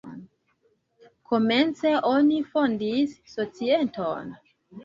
Komence oni fondis societon.